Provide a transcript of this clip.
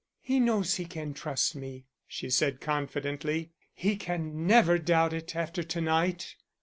"He knows he can trust me," she said confidently. "He can never doubt it after to night."